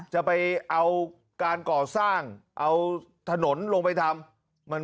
จะไปเอาการก่อสร้างเอาถนนลงไปทำ